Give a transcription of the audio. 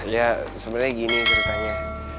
ya sebenarnya gini ceritanya